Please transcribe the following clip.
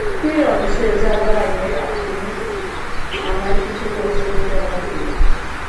যুক্তির অংশে যাবার আগে আপনি আমার কিছু প্রশ্নের জবাব দিন।